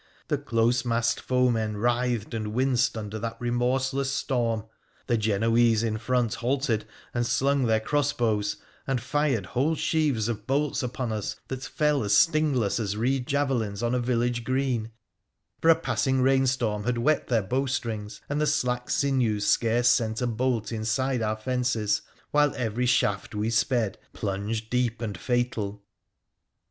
The close massed foemen writhed and winced under that remorse less storm. The Genoese in front halted and slung their crossbows, and fired whole sheaves of bolts upon us, that fell as stingless as reed javelins on a village green, for a passing rainstorm had wet their bowstrings and the slack sinews scarce sent a bolt inside our fences, while every shaft we sped plunged deep and fatal.